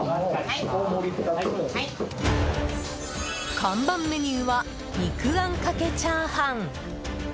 看板メニューは肉あんかけチャーハン。